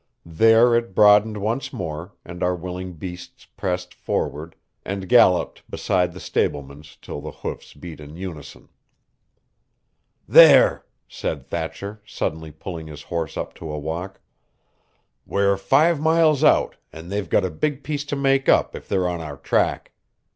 There it broadened once more, and our willing beasts pressed forward and galloped beside the stableman's till the hoofs beat in unison. "There!" said Thatcher, suddenly pulling his horse up to a walk. "We're five miles out, and they've got a big piece to make up if they're on our track.